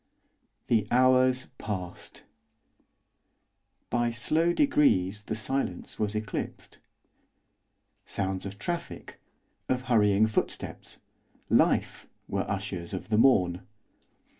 The hours passed. By slow degrees, the silence was eclipsed. Sounds of traffic, of hurrying footsteps, life! were ushers of the morn.